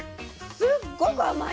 すっごく甘い。ね。